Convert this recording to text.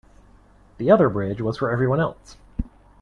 The other bridge was for everyone else.